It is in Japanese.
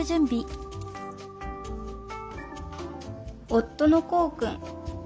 夫のこーくん。